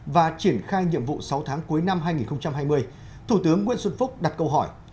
và triển khai nhiệm vụ sáu tháng cuối năm hai nghìn hai mươi thủ tướng nguyễn xuân phúc đặt câu hỏi